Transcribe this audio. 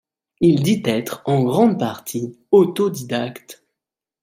Il dit être, en grande partie, autodidacte.